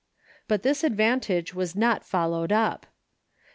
But this advantage was not followed up.